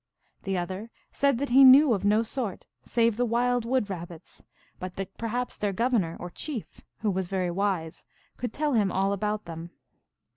The other said that he knew of no sort save the wild wood rabbits, but that perhaps their Governor, or Chief, who was very wise, could tell him all about them.